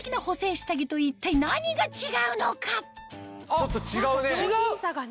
ちょっと違うね。